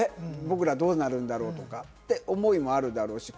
僕らどうなるんだろう？とかって思いもあるだろうし。